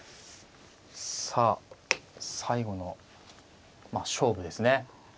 さあ最後の勝負ですね。